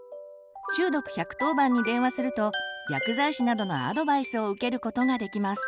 中毒１１０番に電話すると薬剤師などのアドバイスを受けることができます。